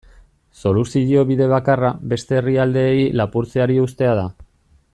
Soluzio bide bakarra beste herrialdeei lapurtzeari uztea da.